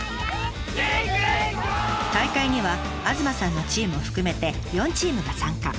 大会には東さんのチームを含めて４チームが参加。